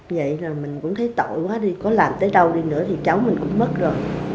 vậy rồi mình cũng thấy tội quá đi có làm tới đâu đi nữa thì cháu mình cũng mất rồi